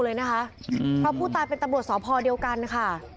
เพราะผู้ตายเป็นตำรวจสอบพอเดียวกันค่ะ